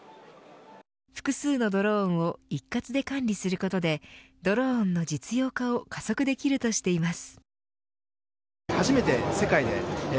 複数のドローンを一括で管理することでドローンの実用化を加速できるとしています。